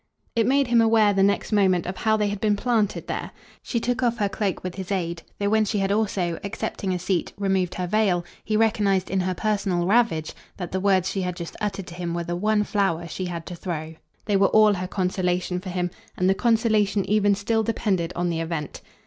It made him aware the next moment of how they had been planted there. She took off her cloak with his aid, though when she had also, accepting a seat, removed her veil, he recognised in her personal ravage that the words she had just uttered to him were the one flower she had to throw. They were all her consolation for him, and the consolation even still depended on the event.